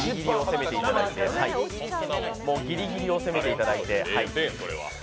ギリギリを攻めていただいて。